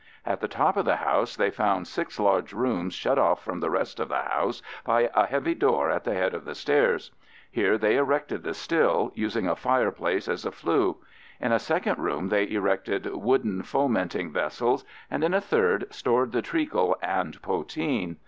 At the top of the house they found six large rooms shut off from the rest of the house by a heavy door at the head of the stairs. Here they erected the still, using a fireplace as a flue; in a second room they erected wooden fomenting vessels, and in a third stored the treacle and poteen.